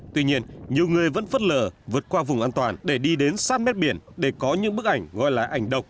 tuy nhiên nhiều người vẫn vất lờ vượt qua vùng an toàn để đi đến sát mét biển để có những bức ảnh gọi là ảnh độc ảnh lạ